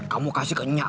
kamu kasih ke nyogut